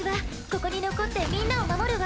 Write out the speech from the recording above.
ここに残ってみんなを守るわ！